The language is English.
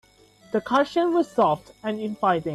The cushion was soft and inviting.